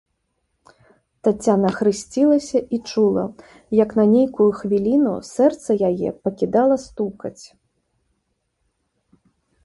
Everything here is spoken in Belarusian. Таццяна хрысцілася і чула, як на нейкую хвіліну сэрца яе пакідала стукаць.